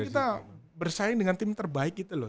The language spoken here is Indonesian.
karena bersaing dengan tim terbaik gitu loh